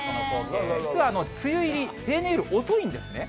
実は梅雨入り、平年より遅いんですね。